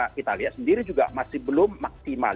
kita lihat sendiri juga masih belum maksimal